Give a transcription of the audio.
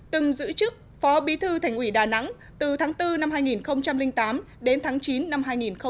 từng giữ chức phó bí thư thành ủy đà nẵng từ tháng bốn năm hai nghìn tám đến tháng chín năm hai nghìn một mươi